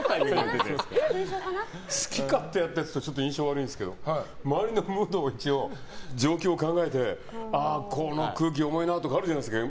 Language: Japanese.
好き勝手やってというと印象が悪いんですけど周りの状況も一応考えてこの空気、重いなとかあるじゃないですか。